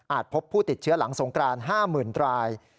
พบผู้ติดเชื้อหลังสงกราน๕๐๐๐ราย